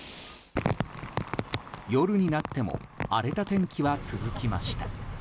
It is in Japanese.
夜になっても荒れた天気は続きました。